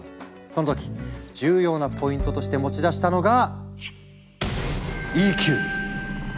その時重要なポイントとして持ち出したのが「ＥＱ」！